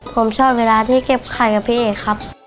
ผมชอบเวลาที่เก็บไข่กับพี่เอกครับ